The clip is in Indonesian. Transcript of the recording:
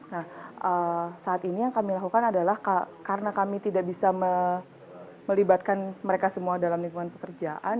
nah saat ini yang kami lakukan adalah karena kami tidak bisa melibatkan mereka semua dalam lingkungan pekerjaan